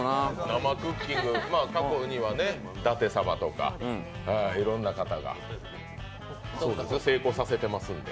生クッキング、過去には舘様とかいろんな方が成功させてますんで。